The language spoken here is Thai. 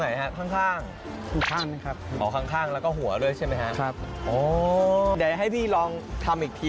มันยากของเรานะคะขั้นตอนแรกคือทำไงคะตั้งลูกอ่ะพี่